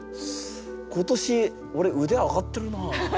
今年俺腕上がってるな。